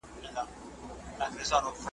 او سره له هغه چي تقر یباً ټول عمر یې ,